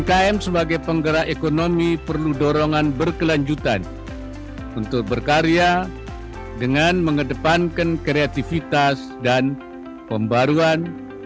umkm sebagai penggerak ekonomi perlu dorongan berkelanjutan untuk berkarya dengan mengedepankan kreativitas dan pembaruan